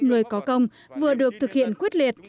người có công vừa được thực hiện quyết liệt